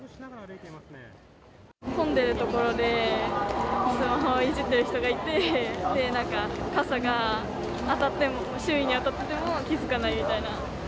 混んでる所で、スマホをいじってる人がいて、なんか、傘が当たっても、周囲に当たっても気付かないみたいな。